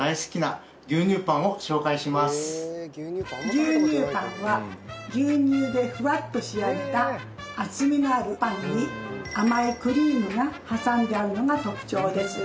牛乳パンは牛乳でふわっと仕上げた厚みのあるパンに甘いクリームが挟んであるのが特徴です。